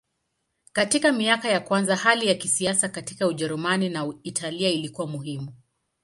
Katika miaka ya kwanza hali ya kisiasa katika Ujerumani na Italia ilikuwa muhimu.